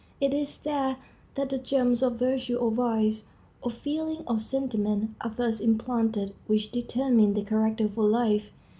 It is there that the germs of virtue or vice, of feeling or sentiment, are first implanted which determine the character for life.